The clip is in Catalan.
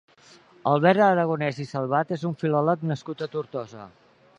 Albert Aragonés i Salvat és un filòleg nascut a Tortosa.